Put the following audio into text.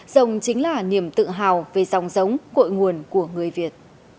rồng chính là niềm tự hào về dòng giống cội nguồn của người việt